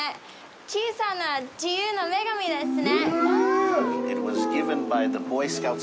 小さな自由の女神ですね。